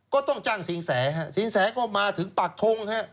ก็ต้องจ้างสินแสฮะสินแสก็มาถึงปากทงฮะ